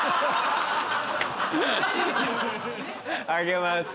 あげます。